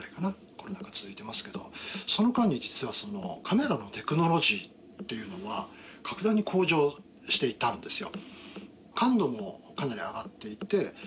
コロナが続いてますけどその間に実はカメラのテクノロジーっていうのは格段に向上していたんですよ。